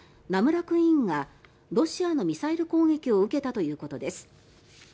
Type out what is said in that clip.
「ナムラ・クイーン」がロシアのミサイル攻撃を受けたということです。